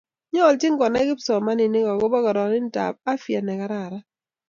nyolchin kunai kipsomaninik akobo kororintab afyait nekararan